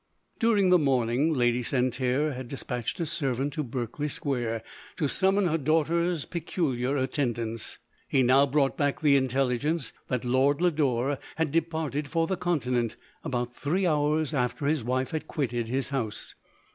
During the morning, Lady Santerre had des patched a servant to Berkelev square, to sum mon her daughter's peculiar attendants. He now brought back the intelligence that Lord CD O Lodore had departed for the continent, about three bouts after his wife had quitted his house.